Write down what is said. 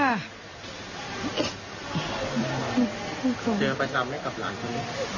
เธอไปทำไม่กับหลานค่ะลูก